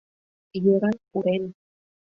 Йӧра, пурем...